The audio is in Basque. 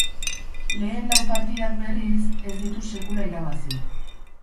Lehen lau partidak, berriz, ez ditu sekula irabazi.